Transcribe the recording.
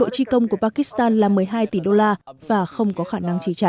chi công của pakistan là một mươi hai tỷ đô la và không có khả năng chi trả